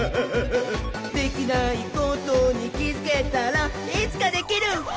「できないことにきづけたらいつかできるひゃっほ」